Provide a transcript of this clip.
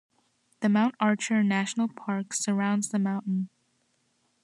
The Mount Archer National Park surrounds the mountain.